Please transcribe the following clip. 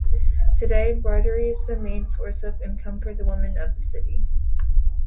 Today, embroidery is the main source of income for the women of the city.